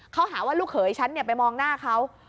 เขาหาว่าลูกเขยฉันไปมองหน้าเขา